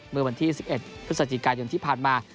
เมื่อวันที่๑๑พฤศจิกายนที่ผ่านมา